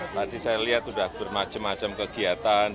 tadi saya lihat sudah bermacam macam kegiatan